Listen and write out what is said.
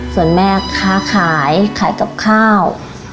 ส่วนแม่ค้าขายขายกับข้าว